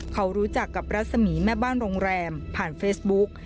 เขารู้จักกับรัศมีแม่บ้านโรงแรมผ่านเฟซบุ๊ก